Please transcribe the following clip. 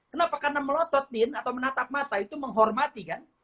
kenapa karena melototin atau menatap mata itu menghormati kan